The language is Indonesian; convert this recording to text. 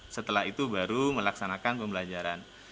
setelah itu baru melaksanakan pembelajaran